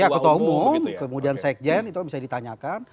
ya ketua umum kemudian sekjen itu bisa ditanyakan